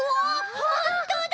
ほんとだ！